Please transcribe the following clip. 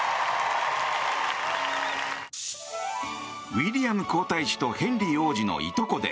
ウィリアム皇太子とヘンリー王子のいとこで